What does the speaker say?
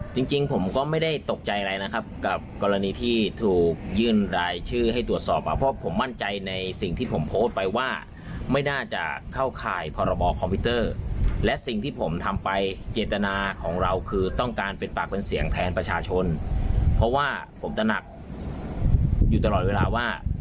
จริงจริงผมก็ไม่ได้ตกใจอะไรนะครับกับกรณีที่ถูกยื่นรายชื่อให้ตรวจสอบอ่ะเพราะผมมั่นใจในสิ่งที่ผมโพสต์ไปว่าไม่น่าจะเข้าข่ายพรบคอมพิวเตอร์และสิ่งที่ผมทำไปเจตนาของเราคือต้องการเป็นปากเป็นเสียงแทนประชาชนเพราะว่าผมตระหนักอยู่ตลอดเวลาว่า